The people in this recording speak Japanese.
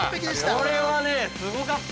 ◆これはね、すごかった。